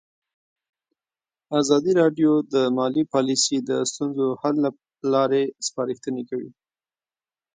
ازادي راډیو د مالي پالیسي د ستونزو حل لارې سپارښتنې کړي.